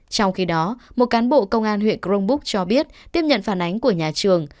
trong khi đó một cán bộ công an huyện grongbuk cho biết tiếp nhận phản ánh của nhà trường